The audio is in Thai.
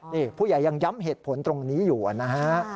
นี่ผู้ใหญ่ยังย้ำเหตุผลตรงนี้อยู่นะฮะ